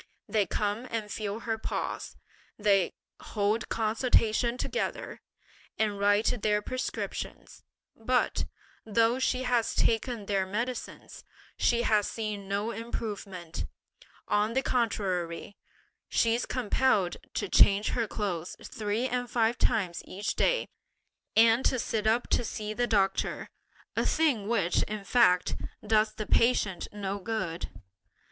They come and feel her pulse, they hold consultation together, and write their prescriptions, but, though she has taken their medicines, she has seen no improvement; on the contrary, she's compelled to change her clothes three and five times each day, and to sit up to see the doctor; a thing which, in fact, does the patient no good."